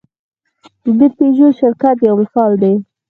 د پيژو شرکت یو مثال دی.